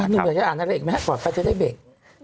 หนุ่มอยากจะอ่านอะไรอีกไหมครับก่อนไปจะได้เบรก